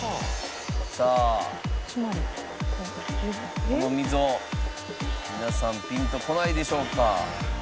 さあこの溝皆さんピンとこないでしょうか？